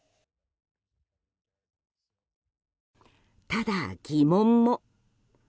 ただ、疑問も。